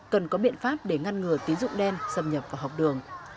cần có biện pháp để ngăn ngừa tín dụng đen xâm nhập vào học đường